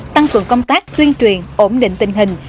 tăng cường công tác tuyên truyền ổn định tình hình